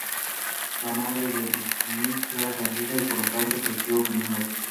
La madre de Schmid era francesa y por tanto creció bilingüe.